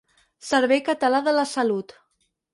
Servei Català de la Salut.